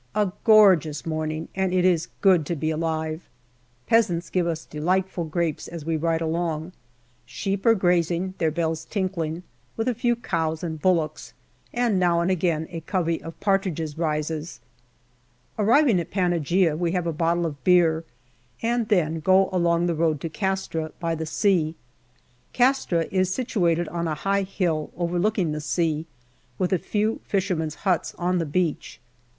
A gorgeous morning, and it is good to be alive. Peasants give us delightful grapes as we ride along. Sheep are grazing, their bells tinkling, with a few cows and bullocks, and now and again a covey of partridges rises. Arriving at Panaghia, we have a bottle of beer, and then go on along the road to Castra, by the sea. Castra is 220 GALLIPOLI DIARY situated on a high hill overlooking the sea, with a few fishermen's huts on the beach.